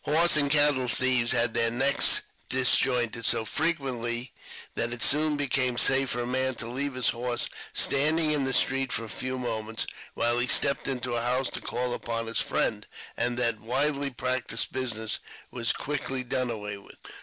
Horse and cattle thieves had their necks disjointed so 27 418 AUTOBIOGRAPHY OF frequently that it soon became safe for a man to leave his horse standing in the street for a few moments, while he stepped into a house to call upon his friend, and that widely practised business was quickly done awa}^ with.